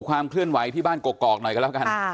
ความเคลื่อนไหวที่บ้านกกอกหน่อยกันแล้วกัน